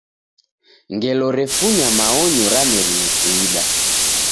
Ngelo refunya maonyo ramerie kuida.